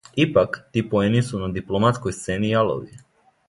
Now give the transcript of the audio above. Ипак, ти поени су на дипломатској сцени јалови.